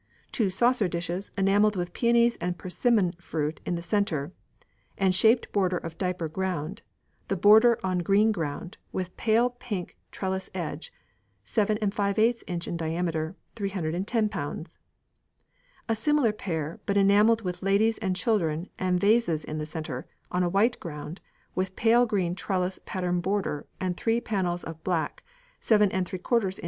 Two saucer dishes, enamelled with peonies and persimmon fruit in the centre, and shaped border of diaper ground, the border on green ground, with pale pink trellis edge, 7ŌģØ in. in diameter, ┬Ż310. A similar pair, but enamelled with ladies and children and vases in the centre, on a white ground, with pale green trellis pattern border, and three panels of black, 7┬Š in.